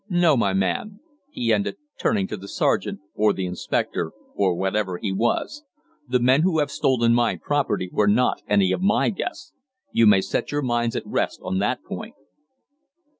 No, my man,' he ended, turning to the sergeant, or the inspector, or whatever he was, 'the men who have stolen my property were not any of my guests. You may set your minds at rest on that point.'"